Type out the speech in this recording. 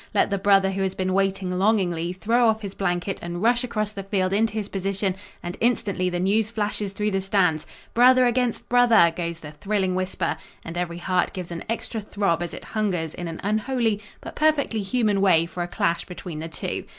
Let the brother who has been waiting longingly throw off his blanket and rush across the field into his position and instantly the news flashes through the stands. "Brother against brother!" goes the thrilling whisper and every heart gives an extra throb as it hungers in an unholy but perfectly human way for a clash between the two.